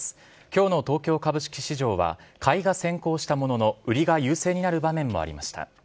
きょうの東京株式市場は、買いが先行したものの、売りが優勢になる場面もありました。